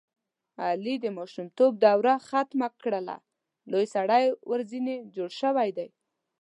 علي د ماشومتوب دروه ختمه کړله لوی سړی ورځنې جوړ شوی دی.